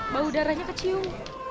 bau darahnya kecium